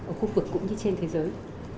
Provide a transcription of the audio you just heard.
ở khu vực cũng như trên thế giới